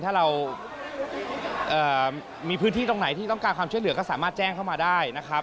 ถ้าเรามีพื้นที่ตรงไหนที่ต้องการความช่วยเหลือก็สามารถแจ้งเข้ามาได้นะครับ